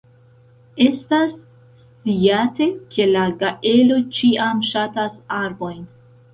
Estas sciate, ke la gaeloj ĉiam ŝatas arbojn.